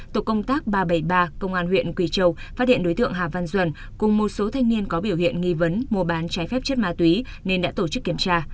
tổ công tác ba trăm bảy mươi ba công an huyện quỳ châu phát hiện đối tượng hà văn duân cùng một số thanh niên có biểu hiện nghi vấn mua bán trái phép chất ma túy nên đã tổ chức kiểm tra